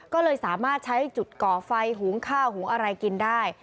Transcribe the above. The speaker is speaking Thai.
ก็เลยสามารถใช้จุดก่อไฟหุงข้าวหุงอะไรกินได้